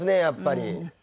やっぱり。